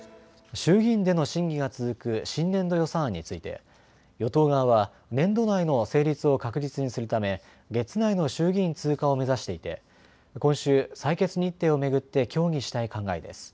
衆議院での審議が続く新年度予算案について与党側は年度内の成立を確実にするため月内の衆議院通過を目指していて今週、採決日程を巡って協議したい考えです。